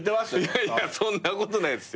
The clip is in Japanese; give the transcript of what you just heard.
いやいやそんなことないっすよ。